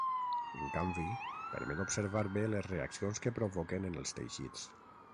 En canvi, permet observar bé les reaccions que provoquen en els teixits.